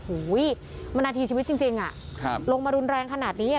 โอ้โหมันนาทีชีวิตจริงลงมารุนแรงขนาดนี้